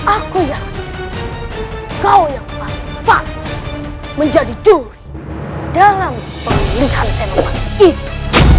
aku yakin kau yang paling pantas menjadi juri dalam pemilihan senopat itu